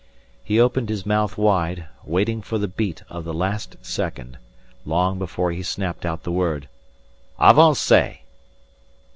He opened his mouth wide, waiting for the beat of the last second, long before he snapped out the word: "_Avancez!